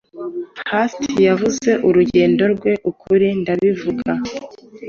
Hast yavuze urugendo rweUkuri ndabivuga